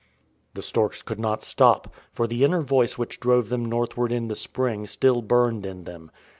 The storks could not stop, for the inner Voice which drove them northward in the spring still burned in them.